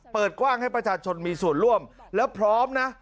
เปิดกว้างให้ประชาชนมีส่วนร่วมแล้วพร้อมนะ